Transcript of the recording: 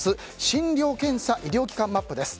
診療・検査医療機関マップです。